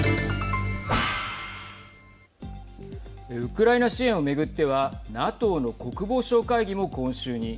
ウクライナ支援を巡ってはＮＡＴＯの国防相会議も今週に。